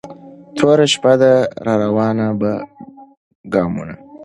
توره شپه ده را روانه په ګامونو